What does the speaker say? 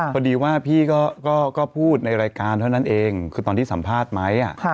พอดีว่าพี่ก็พูดในรายการเท่านั้นเองคือตอนที่สัมภาษณ์ไหม